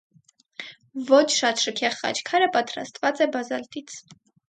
Ոչ շատ շքեղ խաչքարը պատրաստված է բազալտից։